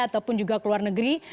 ataupun juga ke luar negeri